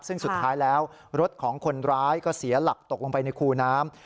ซึ่งสุดท้ายแล้วรถของคนร้ายก็เสียหลักตกลงไปในคูน้ำ